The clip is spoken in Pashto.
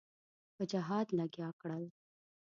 په جهاد لګیا کړل.